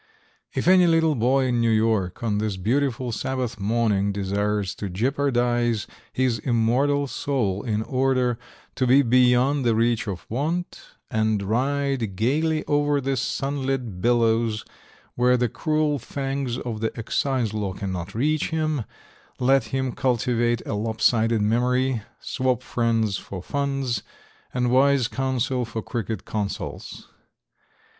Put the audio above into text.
If any little boy in New York on this beautiful Sabbath morning desires to jeopardize his immortal soul in order to be beyond the reach of want, and ride gayly over the sunlit billows where the cruel fangs of the Excise law cannot reach him, let him cultivate a lop sided memory, swap friends for funds and wise counsel for crooked consols.